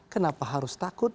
kenapa harus takut